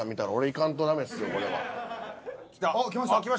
あっ来ました。